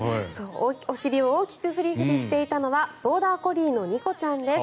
お尻を大きくフリフリしていたのはボーダーコリーのにこちゃんです。